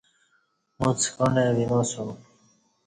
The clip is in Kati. اُݩڅ کوݨہ وِناسوم